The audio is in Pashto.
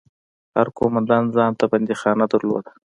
هر قومندان ځان ته بنديخانه درلوده.